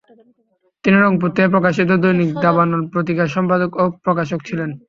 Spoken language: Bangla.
তিনি রংপুর থেকে প্রকাশিত দৈনিক দাবানল পত্রিকার সম্পাদক ও প্রকাশক ছিলেন।